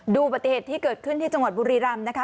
อุบัติเหตุที่เกิดขึ้นที่จังหวัดบุรีรำนะคะ